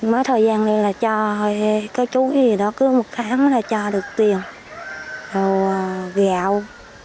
mấy thời gian này là cho cái chú gì đó cứ một tháng là cho được tiền rồi gạo